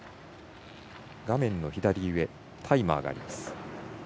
画面の左上、タイマーがあります。